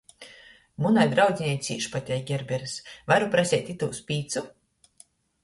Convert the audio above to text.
Munai draudzinei cīš pateik gerberys, varu praseit itūs pīcu?